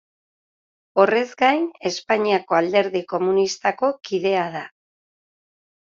Horrez gain, Espainiako Alderdi Komunistako kidea da.